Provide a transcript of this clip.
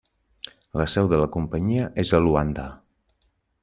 La seu de la companyia és a Luanda.